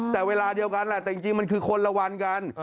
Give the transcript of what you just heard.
แต่เวลาเดียวกันแหละแต่จริงมันคือคนละวันกัน